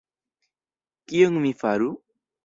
Kion mi faru?